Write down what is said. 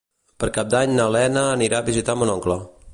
Per Cap d'Any na Lena anirà a visitar mon oncle.